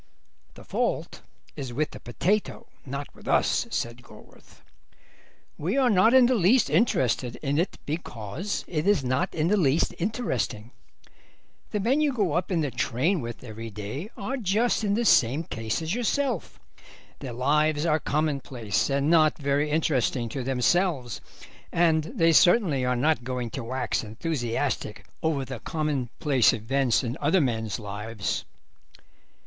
"The fault is with the potato, not with us," said Gorworth; "we are not in the least interested in it because it is not in the least interesting. The men you go up in the train with every day are just in the same case as yourself; their lives are commonplace and not very interesting to themselves, and they certainly are not going to wax enthusiastic over the commonplace events in other men's lives.